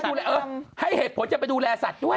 ดูแลเออให้เหตุผลจะไปดูแลสัตว์ด้วย